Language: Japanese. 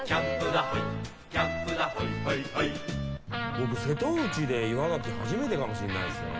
僕、瀬戸内で岩ガキ初めてかもしれないですね。